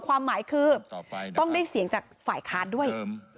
ความหมายคือต้องได้เสียงจากฝ่ายค้านด้วย